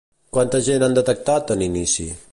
Quanta gent han detectat en inici?